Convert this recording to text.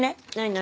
何？